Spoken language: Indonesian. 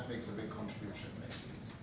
jadi itu membuat kontribusi besar